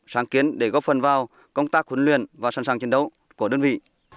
sáng kiến để góp phần vào công tác huấn luyện và sẵn sàng chiến đấu của đơn vị